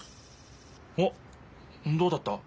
おっどうだった？